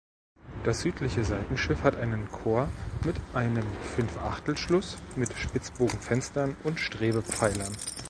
Das südliche Seitenschiff hat einen Chor mit einem Fünfachtelschluss mit Spitzbogenfenstern und Strebepfeilern.